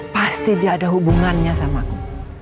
pasti dia ada hubungannya sama aku